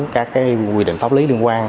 các quy định pháp lý liên quan